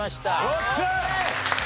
よっしゃあ！